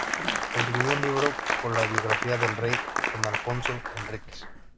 Escribió un libro con la biografía del rey Don Afonso Henriques.